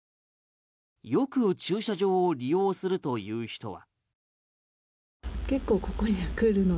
よく駐車場を利用するという人は。